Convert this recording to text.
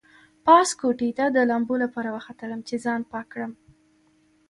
پاس کوټې ته د لامبو لپاره وختلم چې ځان پاک کړم.